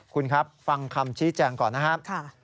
คุณครับฟังคำชี้แจงก่อนนะครับ